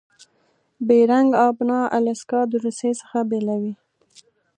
بیرنګ آبنا الاسکا د روسي څخه بیلوي.